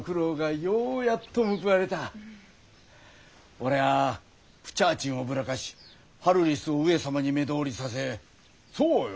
俺はプチャーチンをぶらかしハルリスを上様に目通りさせそうよ